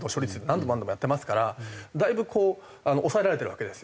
何度も何度もやってますからだいぶ抑えられてるわけですよ。